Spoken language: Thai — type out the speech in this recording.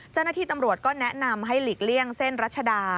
เจ้าหน้าที่ตำรวจก็แนะนำให้หลีกเลี่ยงเส้นรัชดา